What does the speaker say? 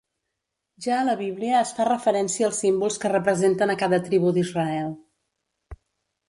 Ja a la Bíblia es fa referència als símbols que representen a cada tribu d'Israel.